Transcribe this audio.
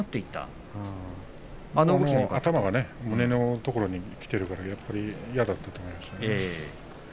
頭が胸のところにきているからやっぱり嫌だったと思います。